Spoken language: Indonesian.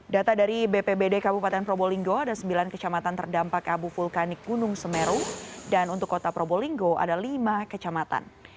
data dari bpbd kabupaten probolinggo ada sembilan kecamatan terdampak abu vulkanik gunung semeru dan untuk kota probolinggo ada lima kecamatan